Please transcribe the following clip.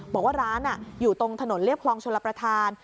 บอกว่าร้านอยู่ตรงถนนเรียบคลองชลประธาน